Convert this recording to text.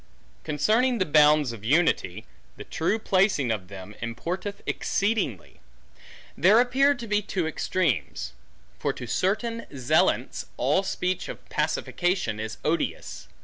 Concerning the bounds of unity; the true placing of them, importeth exceedingly. There appear to be two extremes. For to certain zealants, all speech of pacification is odious.